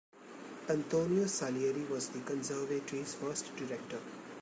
Antonio Salieri was the Conservatory's first director.